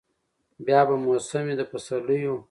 بیا به موسم وي د پسرلیو